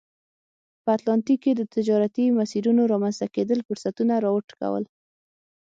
په اتلانتیک کې د تجارتي مسیرونو رامنځته کېدل فرصتونه را وټوکول.